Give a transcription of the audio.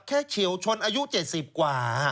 เฉียวชนอายุ๗๐กว่า